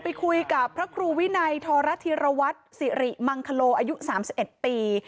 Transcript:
ไปคุยกับพระครูวินัยทรธิรวัตรสิริมังคโลอายุ๓๑ปี